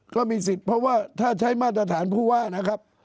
ก็มีสิทธิ์เพราะว่าถ้าใช้มาตรฐานผู้ว่านะครับ